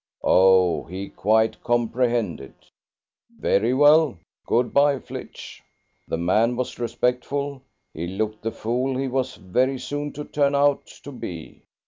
Oh, he quite comprehended. Very well; good bye, Flitch; the man was respectful: he looked the fool he was very soon to turn out to be.